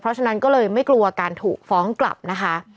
เพราะฉะนั้นก็เลยไม่กลัวการถูกฟ้องกลับนะคะ